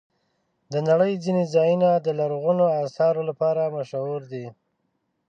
د نړۍ ځینې ځایونه د لرغونو آثارو لپاره مشهور دي.